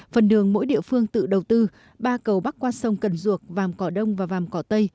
phần đường mỗi địa phương tự đầu tư ba cầu bắc qua sông cần ruộc vàm cỏ đông và vàm cỏ tây